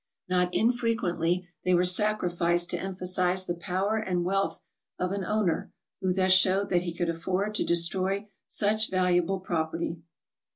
Not infrequently they were sacrificed to emphasize the power and wealth of an owner, who thus showed that he could afford to destroy such valuable property.